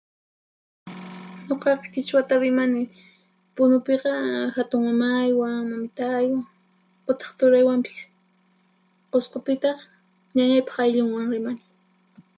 Nuqaqa qhichwata rimani Punupiqa hatunmamaywan, mamitaywan utaq turaywanpis; Qusqupitaq ñañaypaq ayllunwan rimani.